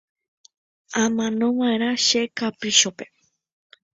Amanova'erã che kapríchope